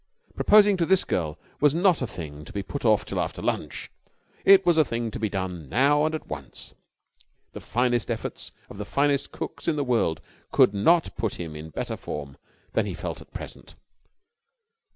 Proposing to this girl was not a thing to be put off till after lunch. It was a thing to be done now and at once. The finest efforts of the finest cooks in the world could not put him in better form than he felt at present.